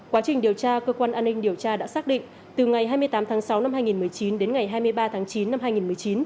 quá trình điều tra cơ quan an ninh điều tra đã xác định từ ngày hai mươi tám tháng sáu năm hai nghìn một mươi chín đến ngày hai mươi ba tháng chín năm hai nghìn một mươi chín